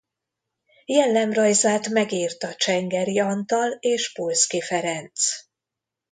Jellemrajzát megírta Csengery Antal és Pulszky Ferenc.